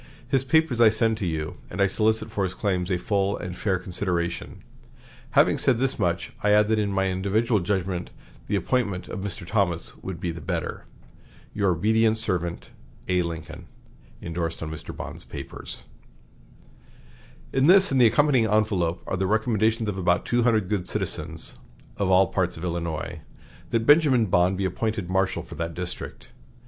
His papers I send to you; and I solicit for his claims a full and fair consideration. Having said this much, I add that in my individual judgment the appointment of Mr. Thomas would be the better. "Your obedient servant, "A. LINCOLN" (Indorsed on Mr. Bond's papers.) "In this and the accompanying envelop are the recommendations of about two hundred good citizens, of all parts of Illinois, that Benjamin Bond be appointed marshal for that district.